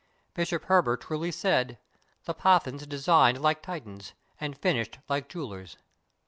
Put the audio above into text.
Bishop Heber truly said: ''The Pathans designed like Titans, and finished Hke jewelers."